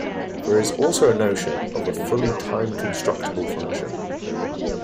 There is also a notion of a fully time-constructible function.